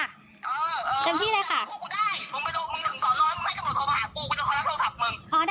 เออเออเต็มที่เลยค่ะเดี๋ยวพูดกูได้